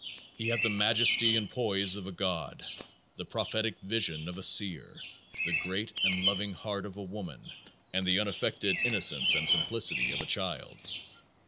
He had the majesty and poise of a god, the prophetic vision of a seer, the great, loving heart of a woman, and the unaffected innocence and simplicity of a child.